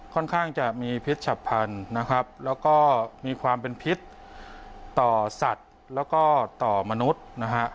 ค่อนข้างจะมีพิษฉับพันธุ์นะครับแล้วก็มีความเป็นพิษต่อสัตว์แล้วก็ต่อมนุษย์นะฮะ